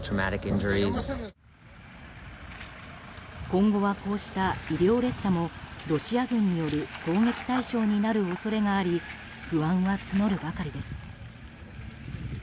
今後はこうした医療列車もロシア軍による攻撃対象になる恐れがあり不安は募るばかりです。